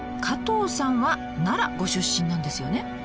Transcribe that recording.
加藤さんは奈良ご出身なんですよね。